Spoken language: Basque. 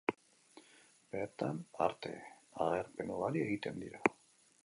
Bertan arte agerpen ugari egiten dira.